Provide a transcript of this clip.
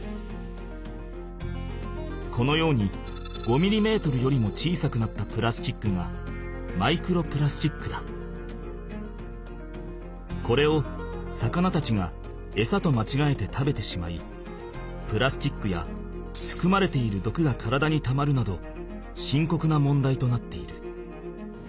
このように５ミリメートルよりも小さくなったプラスチックがこれを魚たちがエサとまちがえて食べてしまいプラスチックやふくまれているどくが体にたまるなどしんこくな問題となっている。